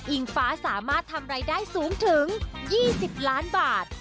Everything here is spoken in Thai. ฟ้าสามารถทำรายได้สูงถึง๒๐ล้านบาท